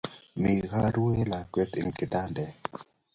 Mi korue lakwet eng kitandet